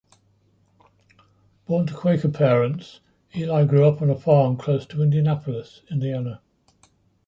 Born to Quaker parents, Eli grew up on a farm close to Indianapolis, Indiana.